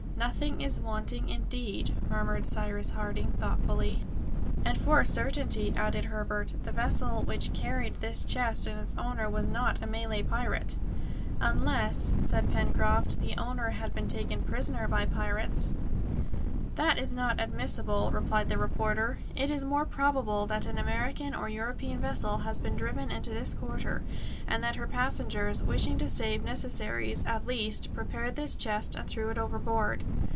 "Nothing is wanting, indeed," murmured Cyrus Harding thoughtfully. "And for a certainty," added Herbert, "the vessel which carried this chest and its owner was not a Malay pirate!" "Unless," said Pencroft, "the owner had been taken prisoner by pirates " "That is not admissible," replied the reporter. "It is more probable that an American or European vessel has been driven into this quarter, and that her passengers, wishing to save necessaries at least, prepared this chest and threw it overboard."